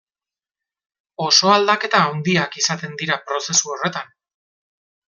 Oso aldaketa handiak izaten dira prozesu horretan.